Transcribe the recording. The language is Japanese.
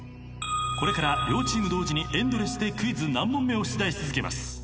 これから両チーム同時にエンドレスでクイズ何問目？を出題し続けます。